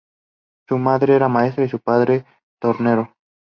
Su madre era maestra y su padre tornero.